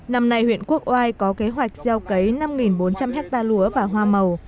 năm nay huyện quốc oai có kế hoạch gieo cấy năm bốn trăm linh hectare lúa và hoa màu